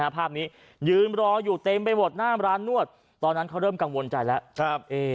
ภาพนี้ยืนรออยู่เต็มไปหมดหน้าร้านนวดตอนนั้นเขาเริ่มกังวลใจแล้ว